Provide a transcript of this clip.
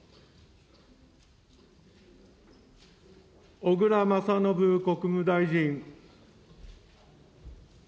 小倉將信国務大臣。